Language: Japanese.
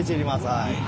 はい。